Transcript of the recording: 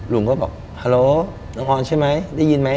ลุงก็บอกฮาโลน้องออนใช่ไหมได้ยินไหม